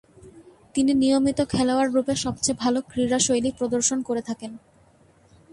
তিনি নিয়মিত খেলোয়াড়রূপে সবচেয়ে ভালো ক্রীড়াশৈলী প্রদর্শন করে থাকেন।